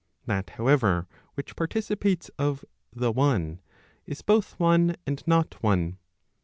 That, however, which participates of the one, is both one and not one.